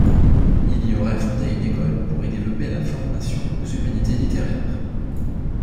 Il y aurait fondé une école pour y développer la formation aux humanités littéraires.